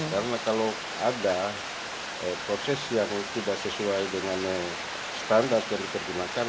karena kalau ada proses yang tidak sesuai dengan standar yang dipergunakan